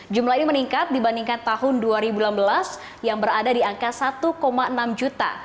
jumlah ini meningkat dibandingkan tahun dua ribu enam belas yang berada di angka satu enam juta